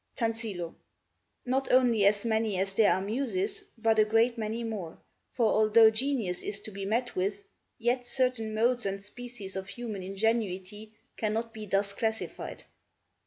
Tansillo Not only as many as there are Muses, but a great many more; for although genius is to be met with, yet certain modes and species of human ingenuity cannot be thus classified.